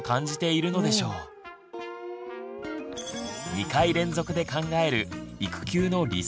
２回連続で考える「育休の理想と現実」